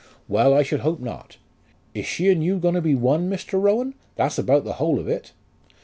"Well, I should hope not. Is she and you going to be one, Mr. Rowan? That's about the whole of it."